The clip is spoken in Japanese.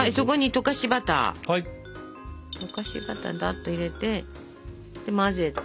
溶かしバターをダっと入れて混ぜて。